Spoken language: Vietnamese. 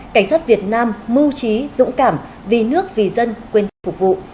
cảnh sát việt nam mưu trí dũng cảm vì nước vì dân quên phục vụ